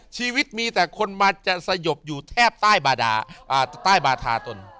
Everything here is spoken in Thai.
ชีวิตมีแต่คนมาจะสยบอยู่แทบใต้บาธาตุล